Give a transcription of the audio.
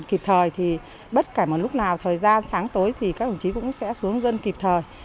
kịp thời thì bất cả một lúc nào thời gian sáng tối thì các đồng chí cũng sẽ xuống dân kịp thời